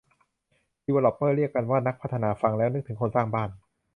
ดีวีลอปเปอร์ เรียกกันว่านักพัฒนา ฟังแล้วนึกถึงคนสร้างบ้าน